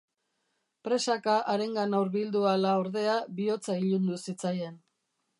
Presaka harengana hurbildu ahala, ordea, bihotza ilundu zitzaien.